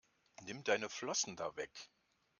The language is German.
Nimm deine Flossen da weg!